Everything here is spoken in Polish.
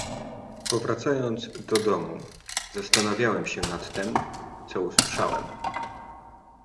"Powracając do domu, zastanawiałem się nad tem, co usłyszałem."